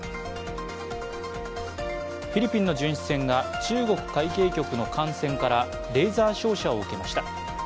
フィリピンの巡視船が中国海警局の艦船からレーザー照射を受けました。